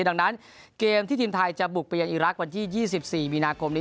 ดังนั้นเกมที่ทีมไทยจะบุกไปยังอีรักษ์วันที่๒๔มีนาคมนี้